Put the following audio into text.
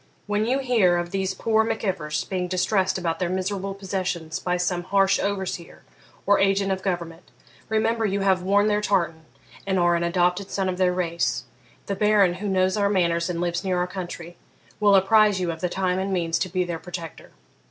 When you hear of these poor Mac Ivors being distressed about their miserable possessions by some harsh overseer or agent of government, remember you have worn their tartan and are an adopted son of their race, The Baron, who knows our manners and lives near our country, will apprise you of the time and means to be their protector.